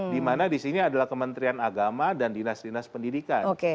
dimana di sini adalah kementerian agama dan dinas dinas pendidikan